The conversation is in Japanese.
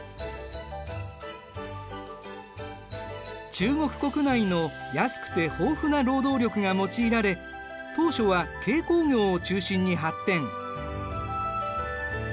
中国国内の安くて豊富な労働力が用いられ当初は軽工業を中心に発展。